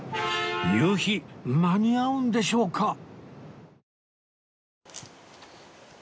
夕日間に合うんでしょうか？